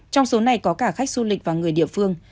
trong số này có cả khách du lịch và người địa phương